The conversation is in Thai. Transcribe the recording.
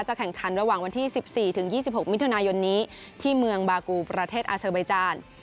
แข่งขันระหว่างวันที่๑๔ถึง๒๖มิถุนายนนี้ที่เมืองบากูประเทศอาเซอร์ไบจาน